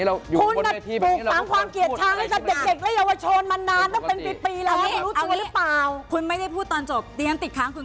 เราไม่ควรที่ใช้ความเกียรติความชัง